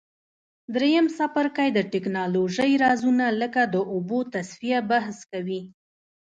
دریم څپرکی د تکنالوژۍ رازونه لکه د اوبو تصفیه بحث کوي.